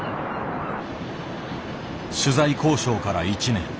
取材交渉から１年。